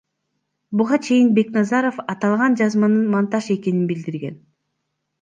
Буга чейин Бекназаров аталган жазманын монтаж экенин билдирген.